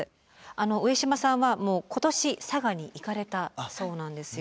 上島さんは今年佐賀に行かれたそうなんですよね。